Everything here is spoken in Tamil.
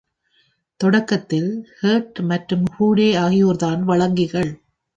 தொடக்கத்தில் ஹேர்ட் மற்றும் ஃபூடெ ஆகியோர்தான் வழங்கிகள்.